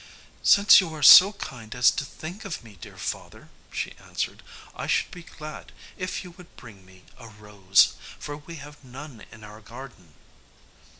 "Since you are so kind as to think of me, dear father," she answered, "I should be glad if you would bring me a rose, for we have none in our garden."